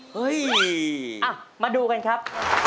เฮ้ยมาดูกันครับ